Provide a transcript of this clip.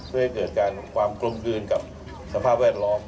เพื่อให้เกิดการความกลมกลืนกับสภาพแวดล้อม